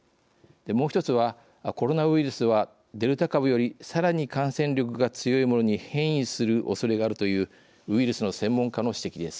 もう一つはコロナウイルスはデルタ株よりさらに感染力が強いものに変異するおそれがあるというウイルスの専門家の指摘です。